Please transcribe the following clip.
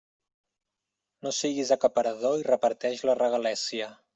No siguis acaparador i reparteix la regalèssia.